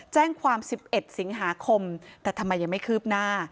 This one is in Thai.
แจ้งความ๑๑สิงหาคมแต่ทำไมยังไม่คืบหน้า